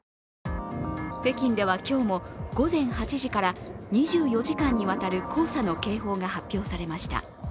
北京では今日も午前８時から２４時間にわたる黄砂の警報が発表されました。